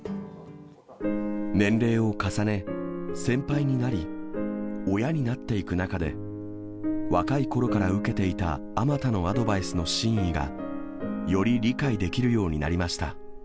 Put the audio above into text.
年齢を重ね、先輩になり、親になっていく中で、若いころから受けていた、あまたのアドバイスの真意がより理解できるようになりました。